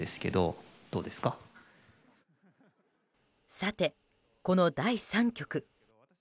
さて、この第３局。